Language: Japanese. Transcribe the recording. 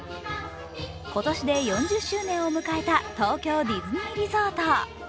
今年で４０周年を迎えた東京ディズニーリゾート。